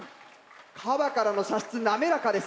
カバからの射出滑らかです。